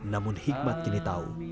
namun hikmat kini tahu